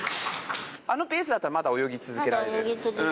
あのペースだったらまだ泳ぎ続けられる？